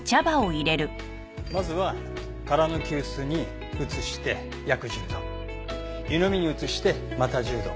まずは空の急須に移して約１０度湯飲みに移してまた１０度。